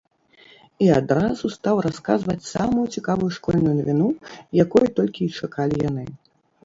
І адразу стаў расказваць самую цікавую школьную навіну, якой толькі й чакалі яны.